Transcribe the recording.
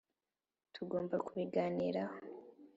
tugomba kubiganiraho.